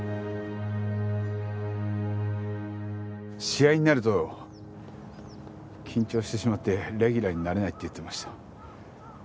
試合になると緊張してしまってレギュラーになれないって言ってました。